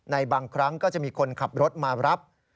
บางครั้งก็จะมีคนขับรถมารับ